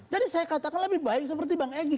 jadi saya katakan lebih baik seperti bang egy